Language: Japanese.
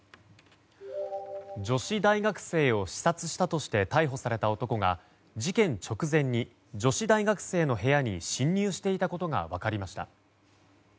女子大学生を刺殺したとして逮捕された男が事件直前に女子大学生の部屋に侵入していたことが分かりました。